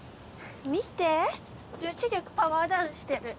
見て女子力パワーダウンしてる